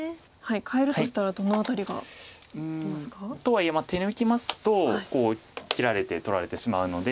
変えるとしたらどの辺りがありますか？とはいえ手抜きますと切られて取られてしまうので。